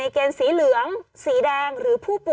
กล้องกว้างอย่างเดียว